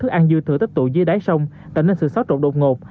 thức ăn dư thửa tích tụ dưới đáy sông tạo nên sự sót trộn đột ngột